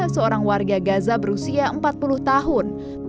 seorang warga gaza berusia empat puluh tahun